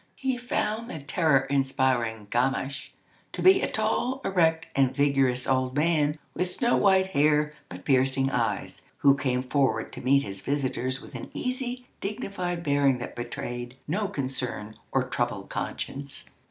He found the terror inspiring Gamache to be a tall, erect, and vigorous old man, with snow white hair but piercing eyes, who came forward to meet his visitors with an easy, dignified bearing that betrayed no concern or troubled conscience.